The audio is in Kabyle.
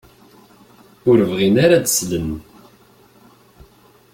Ur bɣin ara ad d-slen.